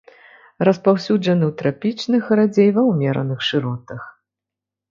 Распаўсюджаны ў трапічных, радзей ва ўмераных шыротах.